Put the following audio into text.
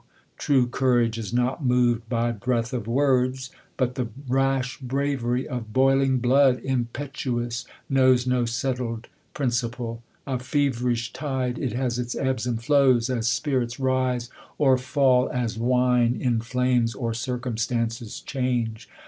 True courage is not mov'd by breath of words j But the rash bravery of boiling blood, fmpetuous, knows no settled principle. \ feverish tide, it has its ebbs and flows. As spirits rise or fall, as wine inflames, Or circumstances change.